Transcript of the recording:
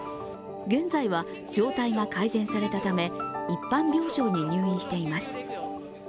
現在は状態が改善されたため一般病床に入院しています。